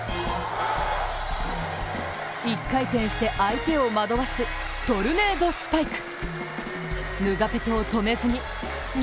１回転して相手を惑わす、トルネードスパイク。